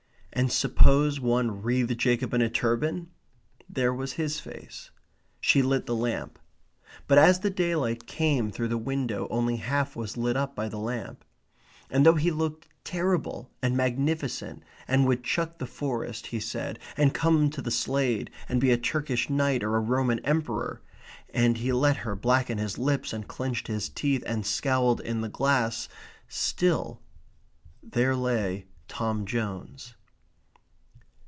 And suppose one wreathed Jacob in a turban? There was his face. She lit the lamp. But as the daylight came through the window only half was lit up by the lamp. And though he looked terrible and magnificent and would chuck the Forest, he said, and come to the Slade, and be a Turkish knight or a Roman emperor (and he let her blacken his lips and clenched his teeth and scowled in the glass), still there lay Tom Jones.